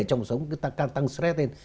trong cuộc sống càng tăng stress lên